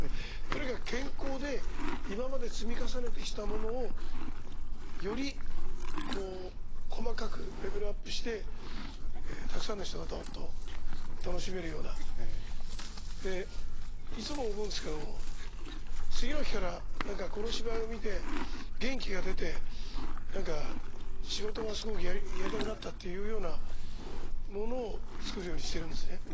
とにかく健康で今まで積み重ねてきたものをよりこう細かくレベルアップしてたくさんの人がどっと楽しめるようなでいつも思うんですけども次の日から何かこの芝居を見て元気が出て何か仕事がすごくやりたくなったっていうようなものを作るようにしてるんですね。